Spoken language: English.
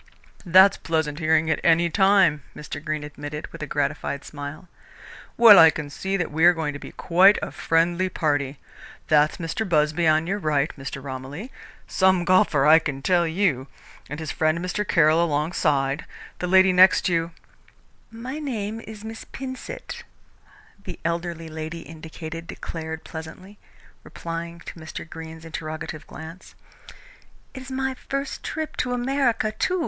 "That's pleasant hearing at any time," Mr. Greene admitted, with a gratified smile. "Well, I can see that we are going to be quite a friendly party. That's Mr. Busby on your right, Mr. Romilly some golfer, I can tell you! and his friend Mr. Caroll alongside. The lady next you " "My name is Miss Pinsent," the elderly lady indicated declared pleasantly, replying to Mr. Greene's interrogative glance. "It is my first trip to America, too.